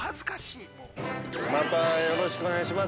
◆また、よろしくお願いします